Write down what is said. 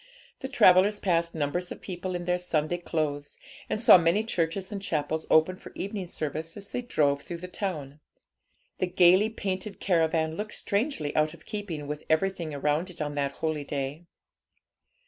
The travellers passed numbers of people in their Sunday clothes, and saw many churches and chapels open for evening service as they drove through the town. The gaily painted caravan looked strangely out of keeping with everything around it on that holy day.